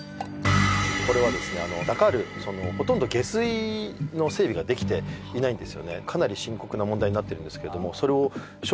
これはですねダカールほとんど下水の整備ができていないんですよね